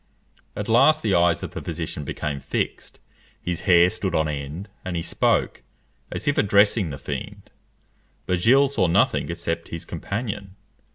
At last the eyes of the physician became fixed, his hair stood on end, and he spoke, as if addressing the fiend. But Gilles saw nothing except his companion.